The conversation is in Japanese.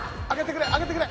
上げてくれ！